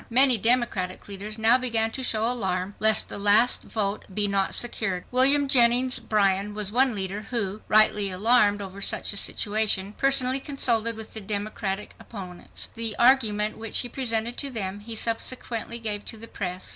Many Democratic leaders now began to show alarm lest the last vote be not secured. William Jennings Bryan was one leader who, rightly alarmed over such a situation, personally consulted with the Democratic opponents. The argument which he presented to them he subsequently gave to the press.